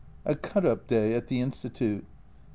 A cut up day at the Institute. Dr.